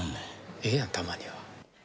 ええやん、たまには。